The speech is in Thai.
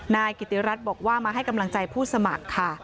นายกิติรัฐบอกว่ามาให้กำลังใจผู้สมัครค่ะ